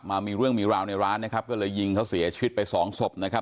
มามีเรื่องมีราวในร้านนะครับก็เลยยิงเขาเสียชีวิตไปสองศพนะครับ